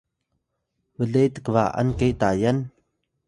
ble tkba’an ke Tayal?